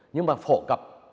nhưng mà phổ cập